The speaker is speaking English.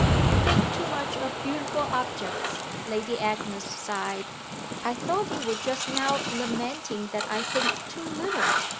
"You think too much of beautiful objects!" Lady Agnes sighed. "I thought you were just now lamenting that I think too little."